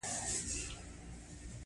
د انسان کار په ټولو برخو کې موجود دی